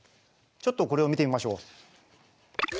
ちょっとこれを見てみましょう。